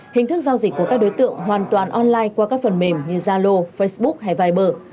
hình thức giao dịch của các đối tượng hoàn toàn online qua các phần mềm như zalo facebook hay viber